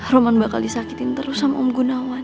roman bakal disakitin terus sama om gunawan